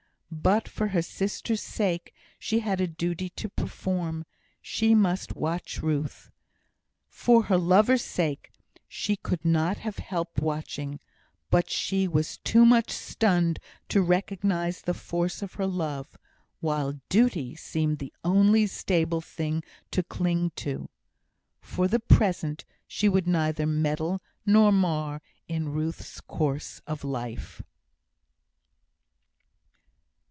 But for her sisters' sake she had a duty to perform; she must watch Ruth. For her love's sake she could not have helped watching; but she was too much stunned to recognise the force of her love, while duty seemed the only stable thing to cling to. For the present she would neither meddle nor mar in Ruth's course of life.